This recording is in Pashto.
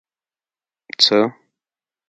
څه